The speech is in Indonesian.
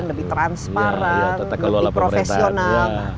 lebih transparan lebih profesional